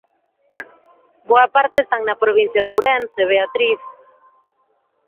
Boa parte están na provincia de Ourense, Beatriz...